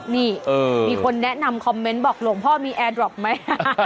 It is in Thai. นี่มีคนแนะนำคอมเมนต์บอกหลวงพ่อมีแอร์ดรอกไหม